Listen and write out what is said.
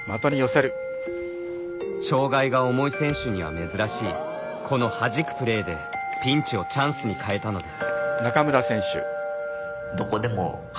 障がいが重い選手には珍しいこのはじくプレーでピンチをチャンスに変えたのです。